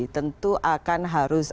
tentu akan harus